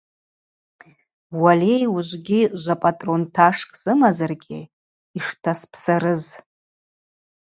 Уальай, уыжвжвы жвапӏатӏронташкӏ сымазаргьи йштаспсарыз.